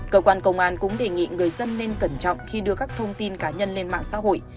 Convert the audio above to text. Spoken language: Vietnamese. cơ quan công an cũng đề nghị người dân nên cẩn trọng khi đưa các thông tin cá nhân lên mạng xã hội